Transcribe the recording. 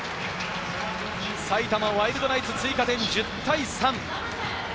埼玉ワイルドナイツ追加点１０対３。